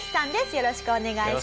よろしくお願いします。